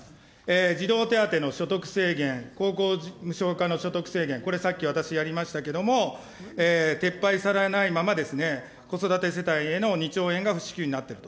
児童手当の所得制限、高校無償化の所得制限、これさっき私やりましたけれども、撤廃されないまま、子育て世帯への２兆円が不支給になっていると。